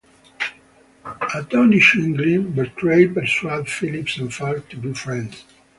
Astonishingly, Bertrade persuaded Philip and Fulk to be friends.